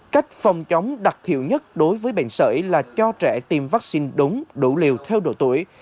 cách phòng chống đặc hiệu nhất đối với bệnh sởi là cho trẻ tiêm vaccine đúng đủ liều theo độ tuổi